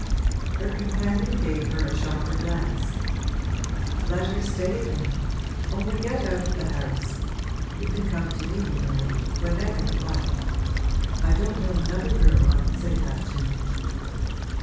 Her companion gave her a sharper glance. 'Let her stay, then! Only get out of the house. You can come to me, you know, whenever you like. I don't know another girl I would say that to.'